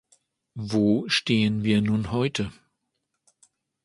Wo stehen wir nun heute?